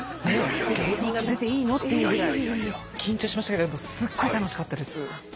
芸人が出ていいの？っていうぐらい緊張しましたけどすっごい楽しかったです。